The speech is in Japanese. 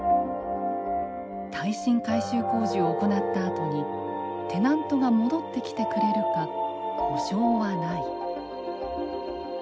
耐震改修工事を行ったあとにテナントが戻ってきてくれるか保証はない。